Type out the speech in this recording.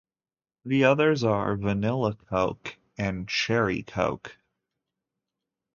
The others are vanilla coke and cherry coke.